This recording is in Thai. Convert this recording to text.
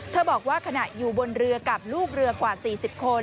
บอกว่าขณะอยู่บนเรือกับลูกเรือกว่า๔๐คน